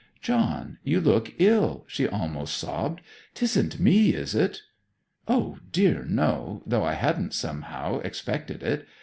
'John, you look ill!' she almost sobbed. ''Tisn't me, is it?' 'O dear, no. Though I hadn't, somehow, expected it.